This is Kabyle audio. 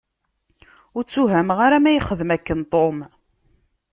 Ur ttuhumeɣ ara ma ixdem akken Tom.